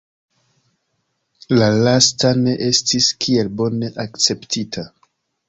La lasta ne estis kiel bone akceptita.